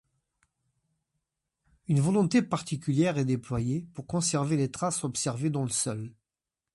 Une volonté particulière est déployée pour conserver les traces observées dans le sol.